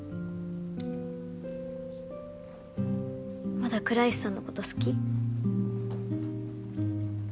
まだ倉石さんのこと好き？